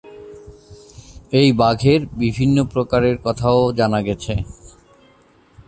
এই বাঘের বিভিন্ন প্রকারের কথাও জানা গেছে।